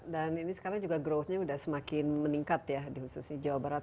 dan ini sekarang juga growthnya udah semakin meningkat ya dihususnya jawa barat